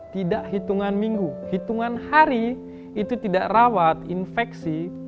tidak hitungan minggu hitungan hari itu tidak rawat infeksi